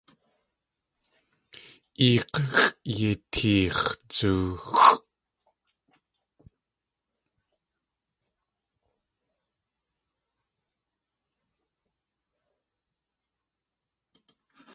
Éek̲xʼ yéi teex̲ dzóoxʼ.